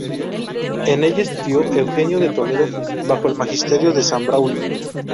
En ella estudió Eugenio de Toledo bajo el magisterio de San Braulio.